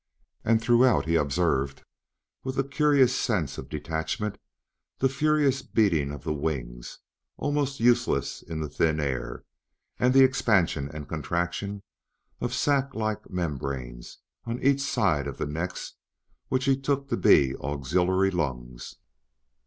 And throughout he observed, with a curious sense of detachment, the furious beating of the wings, almost useless in the thin air, and the expansion and contraction of sac like membranes on each side of the necks which he took to be auxiliary lungs.